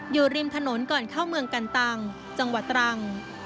อยู่ริมถนนก่อนเข้าเมืองกันตังจังหวัดตรัง